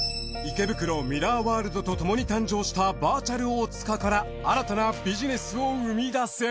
池袋ミラーワールドと共に誕生したバーチャル大塚から新たなビジネスを生み出す。